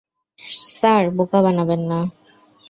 Sir, বোকা বানাবেন না।